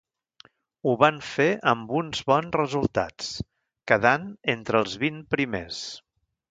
Ho ha van fer amb uns bons resultats, quedant entre els vint primers.